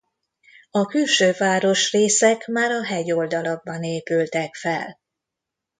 A külső városrészek már a hegyoldalakban épültek fel.